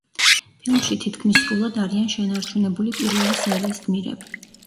ფილმში თითქმის სრულად არიან შენარჩუნებული პირველი სერიის გმირები.